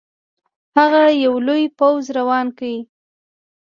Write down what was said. هغه یو لوی پوځ روان کړ.